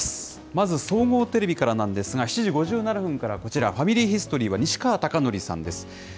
まず総合テレビからなんですが、７時５７分からはこちら、ファミリーヒストリーは西川貴教さんです。